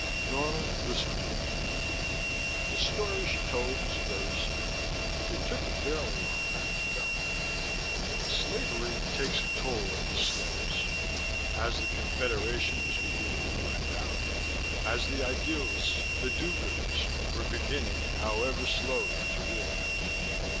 Norma, listen to me." The story she told was very simple. It took a fairly long time to tell. Slavery takes a toll of the slaves (as the Confederation was beginning to find out, as the idealists, the do gooders, were beginning, however slowly to realize).